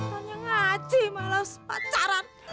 tanya ngaji malas pacaran